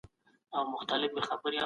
د ځمکي د شيانو نومونه زده کړئ.